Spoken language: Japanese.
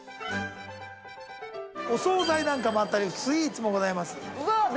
お総菜なんかもあったりスイーツもございます。